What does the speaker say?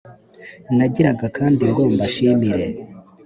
Nagiraga kandi ngo mbashimire